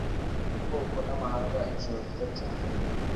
Ubwoko namahanga Ijoro ryiza cyane